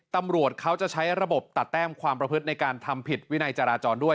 ตำรวจเขาจะใช้ระบบตัดแต้มความประพฤติในการทำผิดวินัยจราจรด้วย